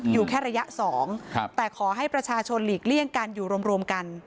อยู่แค่ระยะ๒แต่ขอให้ประชาชนหลีกเลี่ยงกันอยู่รวมกัน